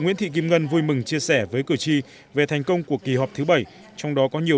nguyễn thị kim ngân vui mừng chia sẻ với cử tri về thành công của kỳ họp thứ bảy trong đó có nhiều